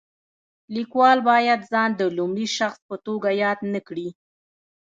لیکوال باید ځان د لومړي شخص په توګه یاد نه کړي.